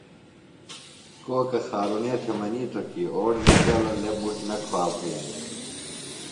کوکہ خارُݨے تھےۡ منِیتوۡ کی اوڑ نہ گلہ لےۡ مُٹ نہ کُھوا بھئینیۡ۔